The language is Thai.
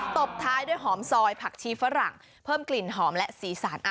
ตบท้ายด้วยหอมซอยผักชีฝรั่งเพิ่มกลิ่นหอมและสีสัน